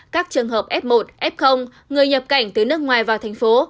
các trường hợp f một f người nhập cảnh từ nước ngoài vào thành phố